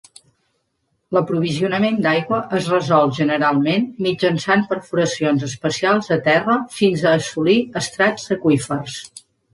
L'aprovisionament d'aigua es resol, generalment, mitjançant perforacions especials a terra fins a assolir estrats aqüífers.